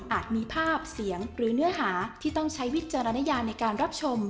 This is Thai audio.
มีภาพเสียงหรือเนื้อหาที่ต้องใช้วิจารณญาในการรับชม